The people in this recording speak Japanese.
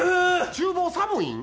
ちゅう房、寒いん？